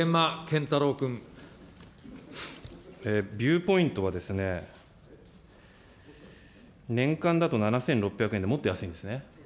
ビューポイントはですね、年間だと７６００円でもっと安いんですね。